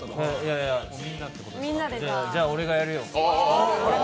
じゃ、俺がやるよ。